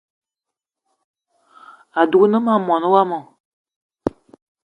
Adugna ma mwaní wama